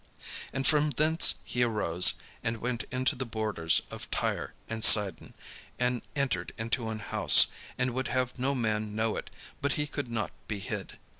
And from thence he arose, and went into the borders of Tyre and Sidon, and entered into an house, and would have no man know it: but he could not be hid.